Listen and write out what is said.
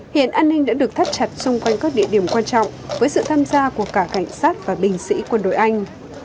hiện an ninh đã được thắt chặt xung quanh các địa điểm quan trọng với sự tham gia của cả cảnh sát và binh sĩ quân đội anh